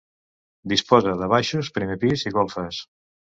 Disposa de baixos, primer pis i golfes.